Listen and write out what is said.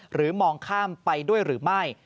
มองข้ามไปด้วยหรือไม่